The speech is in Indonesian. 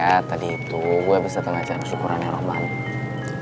iya tadi itu gue abis dateng acara syukuran yang romantik